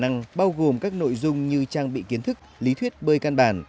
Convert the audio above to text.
khả năng bao gồm các nội dung như trang bị kiến thức lý thuyết bơi can bản